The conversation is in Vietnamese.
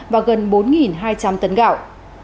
và gần bốn hai trăm linh tấn gạo